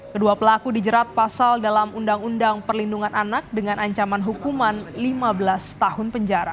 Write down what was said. kedua pelaku dijerat pasal dalam undang undang perlindungan anak dengan ancaman hukuman lima belas tahun penjara